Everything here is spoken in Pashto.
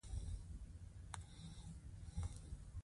له المارۍ څخه یې یو بوتل راواخیست او له ګیلاس سره راغلل.